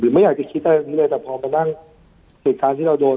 ไม่อยากจะคิดอะไรเลยแต่พอมานั่งเหตุการณ์ที่เราโดน